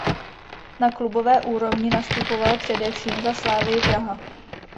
Na klubové úrovni nastupoval především za Slavii Praha.